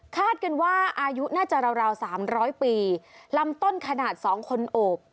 กันว่าอายุน่าจะราว๓๐๐ปีลำต้นขนาด๒คนโอบ